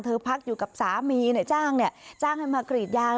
พักอยู่กับสามีเนี่ยจ้างเนี่ยจ้างให้มากรีดยาง